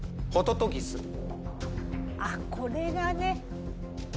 あっこれがね